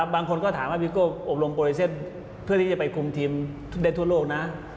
บางคนก็ถามว่าพี่โก้อบรมโปรดิเซตเพื่อที่จะไปคุมทีมได้ทั่วโลกนะ